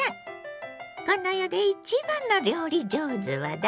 この世で一番の料理上手はだれ？